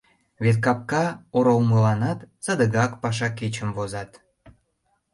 — Вет капка оролымыланат садыгак паша кечым возат...